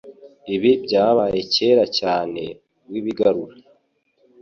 Ibi byabaye kera cyane wibigarura